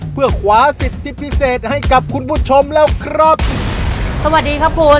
เพื่อขวาสิทธิพิเศษให้กับคุณผู้ชมแล้วครับสวัสดีครับคุณ